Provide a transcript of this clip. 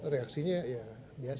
reaksinya ya biasa